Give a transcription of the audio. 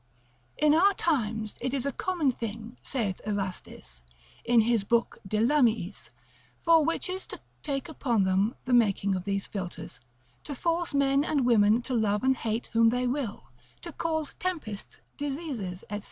In our times it is a common thing, saith Erastus, in his book de Lamiis, for witches to take upon them the making of these philters, to force men and women to love and hate whom they will, to cause tempests, diseases, &c.